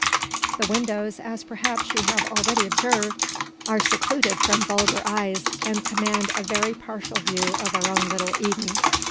The windows, as perhaps you have already observed, are secluded from vulgar eyes, and command a very partial view of our own little Eden.